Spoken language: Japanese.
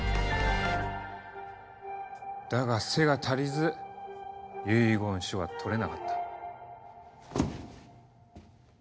だが背が足りず遺言書は取れなかった。